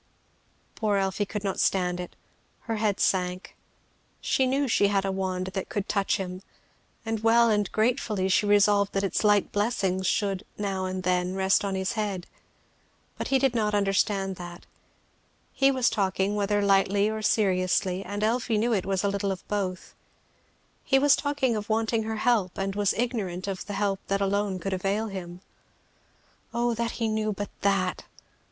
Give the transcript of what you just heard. Poor Elfie could not stand it. Her head sank. She knew she had a wand that could touch him, and well and gratefully she resolved that its light blessing should "now and then" rest on his head; but he did not understand that; he was talking, whether lightly or seriously, and Elfie knew it was a little of both, he was talking of wanting her help, and was ignorant of the help that alone could avail him. "Oh that he knew but that!"